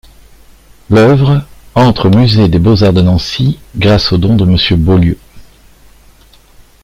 L'œuvre entre au musée des Beaux-Arts de Nancy grâce au don de Monsieur Beaulieu.